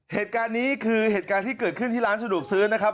เหตุการณ์นี้คือเหตุการณ์ที่เกิดขึ้นที่ร้านสะดวกซื้อนะครับ